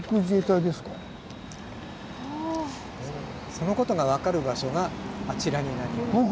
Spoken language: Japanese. そのことが分かる場所があちらになります。